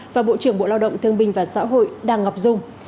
và bộ trưởng bộ lao động thương bình và xã hội đàng ngọc dung